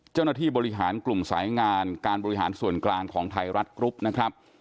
เจ้าหน้าที่บริหารกลุ่มสายงานการบริหารส่วนกลางของไทยรัฐกรุ๊ปนะครับ